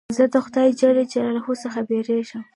زه د خدای جل جلاله څخه بېرېږم.